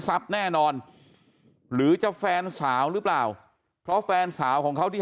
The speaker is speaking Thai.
แน่นอนหรือจะแฟนสาวหรือเปล่าเพราะแฟนสาวของเขาที่